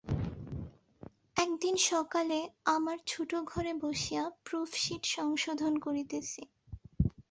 একদিন সকালে আমার ছোটো ঘরে বসিয়া প্রুফশীট সংশোধন করিতেছি।